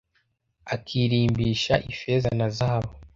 Akirimbisha ifeza na zahabu